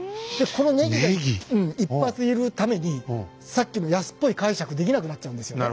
このネギが一発いるためにさっきの安っぽい解釈できなくなっちゃうんですよね。